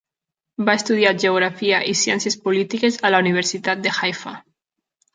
Va estudiar geografia i ciències polítiques a la Universitat de Haifa.